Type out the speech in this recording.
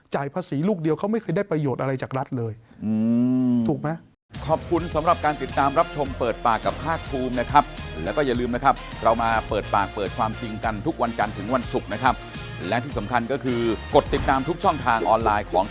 ภาษีลูกเดียวเขาไม่เคยได้ประโยชน์อะไรจากรัฐเลยถูกไหม